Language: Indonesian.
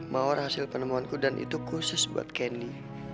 mawar hasil penemuanku dan itu khusus buat kenny